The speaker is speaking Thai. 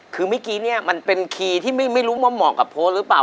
คือเมื่อกี้เนี่ยมันเป็นคีย์ที่ไม่รู้ว่าเหมาะกับโพสต์หรือเปล่า